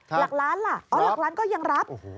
หลักล้านล่ะอ๋อหลักล้านก็ยังรับ